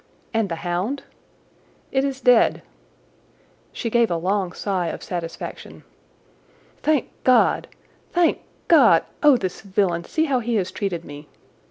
"And the hound?" "It is dead." She gave a long sigh of satisfaction. "Thank God! Thank God! Oh, this villain! See how he has treated me!"